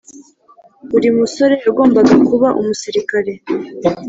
Buri musore yagombaga kuba umusirikare